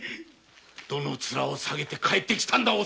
どの面下げて帰ってきたんだお染。